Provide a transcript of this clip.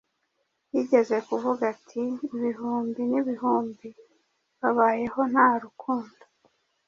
yigeze kuvuga ati: “Ibihumbi n’ibihumbi babayeho nta rukundo,